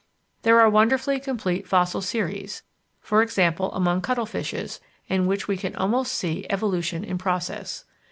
There are wonderfully complete fossil series, e.g. among cuttlefishes, in which we can almost see evolution in process.